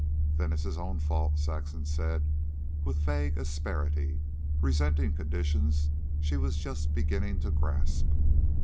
"Then it's his own fault," Saxon said, with vague asperity, resenting conditions she was just beginning to grasp.